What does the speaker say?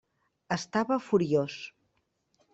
Estava furiós.